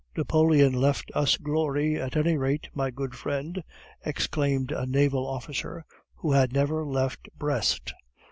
"Napoleon left us glory, at any rate, my good friend!" exclaimed a naval officer who had never left Brest.